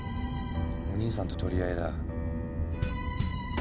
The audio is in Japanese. お兄さんと取り合いだ。